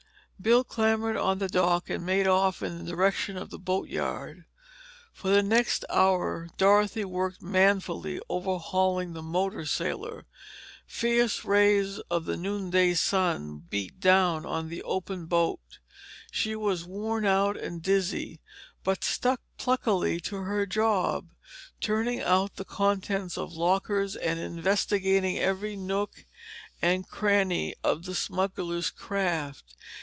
Bill clambered on to the dock and made off in the direction of the boat yard. For the next hour Dorothy worked manfully, overhauling the motor sailor. Fierce rays of the noonday sun beat down on the open boat. She was worn out and dizzy, but stuck pluckily to her job, turning out the contents of lockers and investigating every nook and cranny of the smugglers' craft.